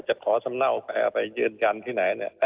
จะขอสำเนาไปยืนยันที่ไหนเนี่ย